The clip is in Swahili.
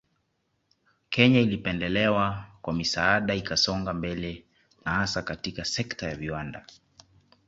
Kenya ilipendelewa kwa misaada ikasonga mbele na hasa katika sekta ya viwanda